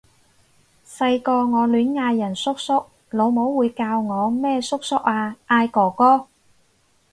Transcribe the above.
細個我亂嗌人叔叔，老母會教我咩叔叔啊！嗌哥哥！